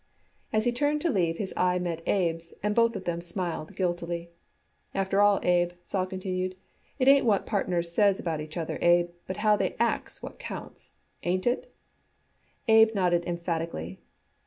As he turned to leave, his eye met Abe's, and both of them smiled guiltily. "After all, Abe," Sol concluded, "it ain't what partners says about each other, Abe, but how they acts which counts. Ain't it?" Abe nodded emphatically.